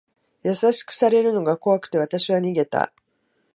優しくされるのが怖くて、わたしは逃げた。